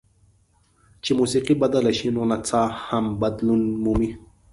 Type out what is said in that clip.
چې موسیقي بدله شي نو نڅا هم بدلون مومي.